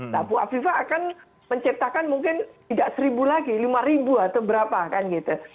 nah bu afifah akan menciptakan mungkin tidak satu lagi lima atau berapa kan gitu